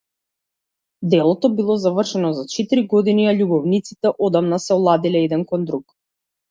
Делото било завршено за четири години, а љубовниците одамна се оладиле еден кон друг.